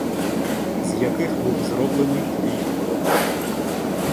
З яких був зроблений твій флот.